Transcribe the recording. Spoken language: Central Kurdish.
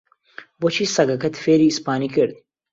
بۆچی سەگەکەت فێری ئیسپانی کرد؟